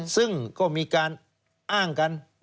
ซึ่งก็มีการอ้างกัน